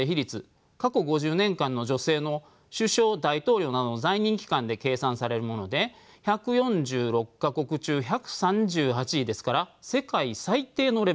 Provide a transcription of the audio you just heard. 過去５０年間の女性の首相・大統領などの在任期間で計算されるもので１４６か国中１３８位ですから世界最低のレベルです。